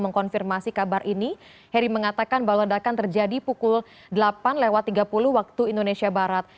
mengkonfirmasi kabar ini heri mengatakan bahwa ledakan terjadi pukul delapan lewat tiga puluh waktu indonesia barat